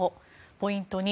ポイント